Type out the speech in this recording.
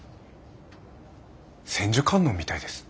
千手観音みたいです。